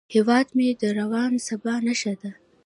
هیواد مې د روڼ سبا نښه ده